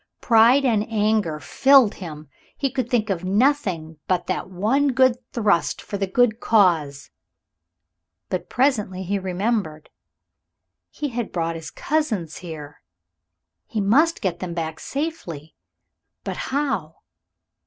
Pride and anger filled him. He could think of nothing but that one good thrust for the good cause. But presently he remembered. He had brought his cousins here he must get them back safely. But how?